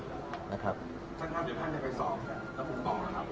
ท่านครับเดี๋ยวท่านจะไปสอบกันแล้วผมตอบนะครับ